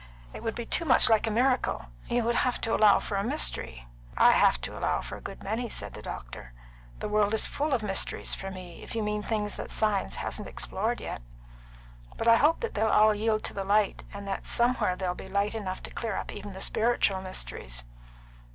It would be too much like a miracle; you would have to allow for a mystery." "I have to allow for a good many," said the doctor. "The world is full of mysteries for me, if you mean things that science hasn't explored yet. But I hope that they'll all yield to the light, and that somewhere there'll be light enough to clear up even the spiritual mysteries."